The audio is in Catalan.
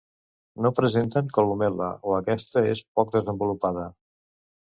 No presenten columel·la o aquesta és poc desenvolupada.